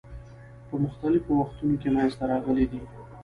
په مختلفو وختونو کې منځته راغلي دي.